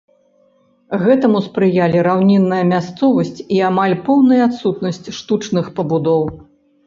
Гэтаму спрыялі раўнінная мясцовасць і амаль поўная адсутнасць штучных пабудоў.